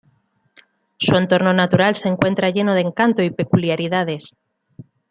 Su entorno natural se encuentra lleno de encanto y peculiaridades.